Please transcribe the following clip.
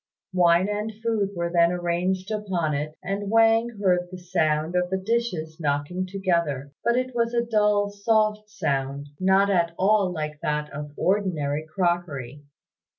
Wine and food were then arranged upon it, and Wang heard the sound of the dishes knocking together, but it was a dull, soft sound, not at all like that of ordinary crockery.